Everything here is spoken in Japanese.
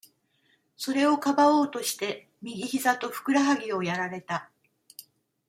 それをかばおうとして、右ひざと、ふくらはぎをやられた。